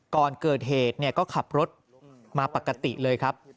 ก่อนเกิดเหตุก็ขับรถมาปกติเลยครับ